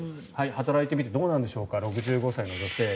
働いてみてどうなんでしょうか６５歳の女性。